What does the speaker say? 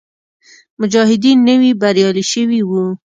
مجاهدین نوي بریالي شوي وو.